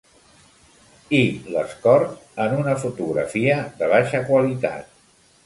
I l'Escort en una fotografia de baixa qualitat.